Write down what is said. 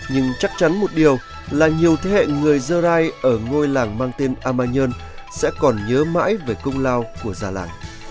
nhưng chắc chắn một điều là nhiều thế hệ người dơ rai ở ngôi làng mang tên amazon sẽ còn nhớ mãi về công lao của gia làng